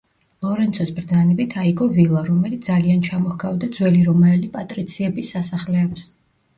ლორენცოს ბრძანებით აიგო ვილა, რომელიც ძალიან ჩამოჰგავდა ძველი რომაელი პატრიციების სასახლეებს.